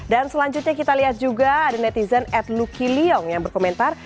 dan selanjutnya kita lihat juga ada netizen atlukiliong yang berkomentar